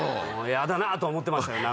嫌だなと思ってましただから。